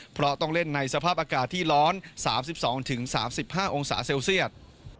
เพราะต้องเล่นในสภาพอากาศที่ร้อน๓๒๓๕องศาเซลเซียต